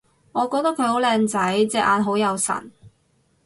我覺得佢好靚仔！隻眼好有神